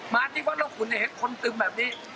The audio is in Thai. มาที่วันโรคคุณเนี่ยเห็นคนตึมแบบนี้